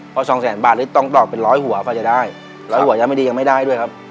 เพราะสองแสนบาทเลยต้องต่อเป็นร้อยหัวเขาจะได้ร้อยหัวยังไม่ได้ด้วยครับ